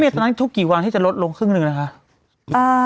ตอนนั้นทุกกี่วันที่จะลดลงครึ่งหนึ่งนะคะ